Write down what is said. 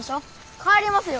帰りますよ。